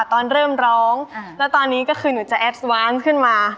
ตอนเริ่มร้องแล้วตอนนี้ก็คือหนูจะแอสวานซ์ขึ้นมา